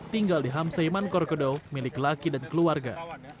tinggal di homestay mongkarkodo milik laki dan keluarga